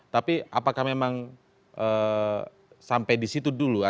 tapi apakah memang sampai di situ dulu